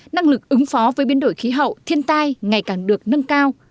năng lực ứng phó với biến đổi khí hậu thiên tai ngày càng được nâng cao